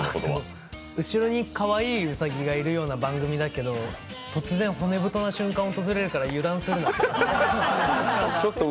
後ろにかわいいうさぎがいるような番組だけど突然、骨太な瞬間が訪れるから油断するなと。